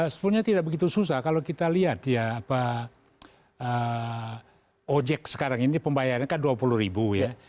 sebenarnya tidak begitu susah kalau kita lihat ya ojek sekarang ini pembayarannya kan dua puluh ribu ya